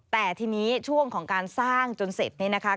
แต่ทีนี้ช่วงของการสร้างจนเสร็จนี่นะคะ